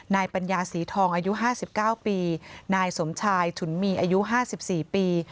ปัญญาศรีทองอายุ๕๙ปีนายสมชายฉุนมีอายุ๕๔ปี